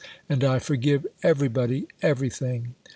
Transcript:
And I forgive everybody everything."